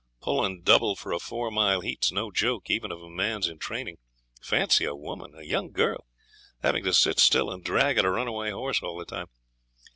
Pulling double for a four mile heat is no joke, even if a man's in training. Fancy a woman, a young girl, having to sit still and drag at a runaway horse all the time.